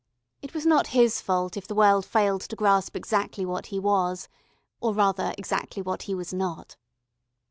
It was not his fault if the world failed to grasp exactly what he was, or rather exactly what he was not.